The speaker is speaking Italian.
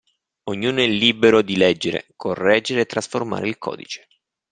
Ognuno è libero di leggere, correggere e trasformare il codice.